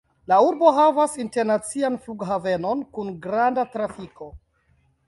La urbo havas internacian flughavenon kun granda trafiko.